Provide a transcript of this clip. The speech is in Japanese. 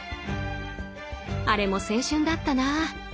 あれも青春だったな。